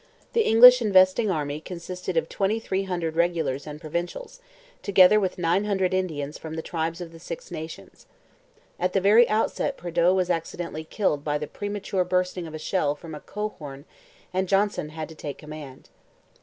The English investing army consisted of twenty three hundred regulars and provincials, together with nine hundred Indians from the tribes of the Six Nations. At the very outset Prideaux was accidentally killed by the premature bursting of a shell from a coehorn and Johnson had to take command.